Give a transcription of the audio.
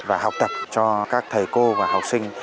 và học tập cho các thầy cô và học sinh